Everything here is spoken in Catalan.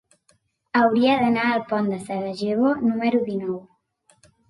Hauria d'anar al pont de Sarajevo número dinou.